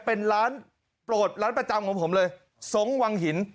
เป็นร้านโปรดร้านประจำของผมเลยทรงวังหิน